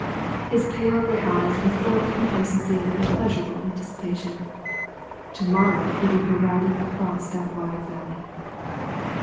His pale grey eyes were full of complacency and pleasurable anticipation. Tomorrow he would go riding across that wide valley.